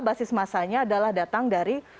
basis masanya adalah datang dari